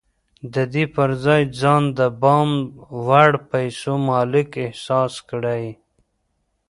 د دې پر ځای ځان د پام وړ پيسو مالک احساس کړئ.